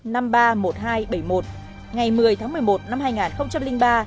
ngày một mươi tháng một mươi một năm hai nghìn ba